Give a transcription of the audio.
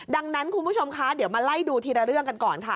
ดังนั้นคุณผู้ชมคะเดี๋ยวมาไล่ดูทีละเรื่องกันก่อนค่ะ